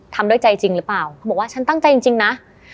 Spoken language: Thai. ทำด้วยใจจริงหรือเปล่าเขาบอกว่าฉันตั้งใจจริงนะ